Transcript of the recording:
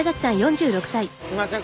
すいません